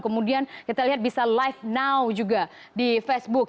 kemudian kita lihat bisa live now juga di facebook